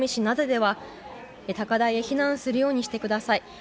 名瀬では、高台へ避難するようにしてください。